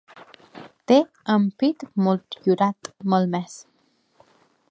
Té ampit motllurat, malmès.